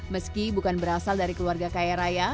meski bukan berasal dari keluarga kaya raya